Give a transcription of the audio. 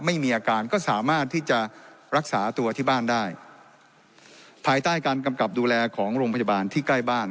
ไม่มีอาการก็สามารถที่จะรักษาตัวที่บ้านได้ภายใต้การกำกับดูแลของโรงพยาบาลที่ใกล้บ้าน